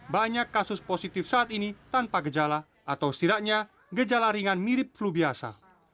banyak kasus positif saat ini tanpa gejala atau setidaknya gejala ringan mirip flu biasa